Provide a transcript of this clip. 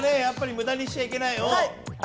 やっぱり無駄にしちゃいけないよ。